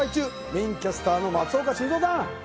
メインキャスターの松岡修造さん！